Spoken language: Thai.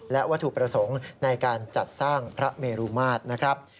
และวัตถุประสงค์ในการจัดสร้างพระเมรุมาตรนะครับ